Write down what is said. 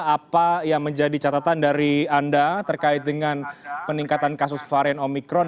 apa yang menjadi catatan dari anda terkait dengan peningkatan kasus varian omikron